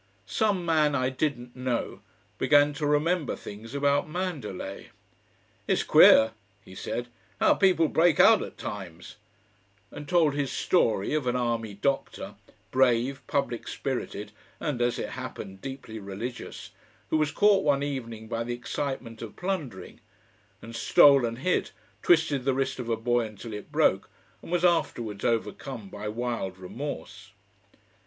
Some man I didn't know began to remember things about Mandalay. "It's queer," he said, "how people break out at times;" and told his story of an army doctor, brave, public spirited, and, as it happened, deeply religious, who was caught one evening by the excitement of plundering and stole and hid, twisted the wrist of a boy until it broke, and was afterwards overcome by wild remorse.